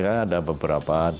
adhikarya ada beberapa